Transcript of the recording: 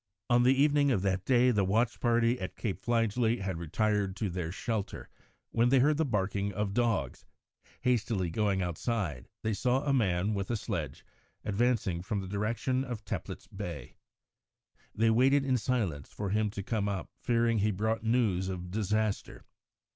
On the evening of that day the watch party at Cape Fligely had retired to their shelter when they heard the barking of dogs. Hastily going outside, they saw a man, with a sledge, advancing from the direction of Teplitz Bay. They waited in silence for him to come up, fearing he brought news of disaster.